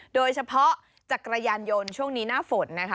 โดยเฉพาะจักรยานยนต์ช่วงนี้หน้าฝนนะคะ